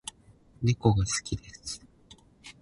猫が好きです